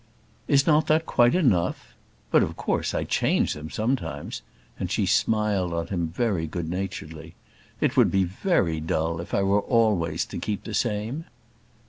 "Is not that quite enough? But of course I change them sometimes;" and she smiled on him very good naturedly. "It would be very dull if I were always to keep the same."